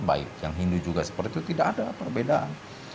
baik yang hindu juga seperti itu tidak ada perbedaan